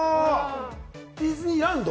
ディズニーランド？